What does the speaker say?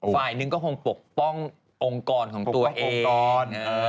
ฝ่ายหนึ่งก็คงปกป้ององค์กรของตัวเองก่อน